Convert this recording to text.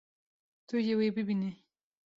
Tu yê wî bibînî.